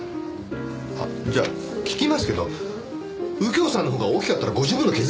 あっじゃあ聞きますけど右京さんのほうが大きかったらご自分の削りましたか？